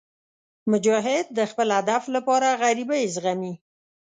مجاهد د خپل هدف لپاره غریبۍ زغمي.